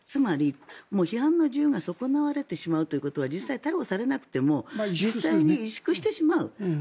批判の自由が損なわれてしまうということは実際に逮捕されなくても実際に萎縮してしまう。